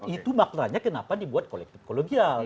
itu maknanya kenapa dibuat kolektif kolegial